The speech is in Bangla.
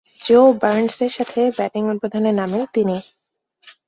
জো বার্নসের সাথে ব্যাটিং উদ্বোধনে নামেন তিনি।